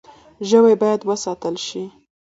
ژوی باید وساتل شي.